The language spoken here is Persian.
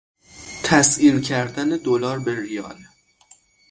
تسعیر کردن دلار به ریال